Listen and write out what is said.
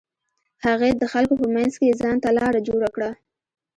هغې د خلکو په منځ کښې ځان ته لاره جوړه کړه.